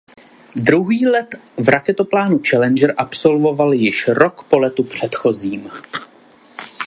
Druhý let v raketoplánu Challenger absolvoval již rok po letu předchozím.